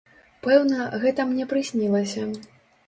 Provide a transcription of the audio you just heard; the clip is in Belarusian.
Пэўна, гэта мне прыснілася.